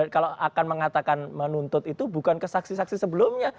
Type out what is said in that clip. kalau akan mengatakan menuntut itu bukan ke saksi saksi sebelumnya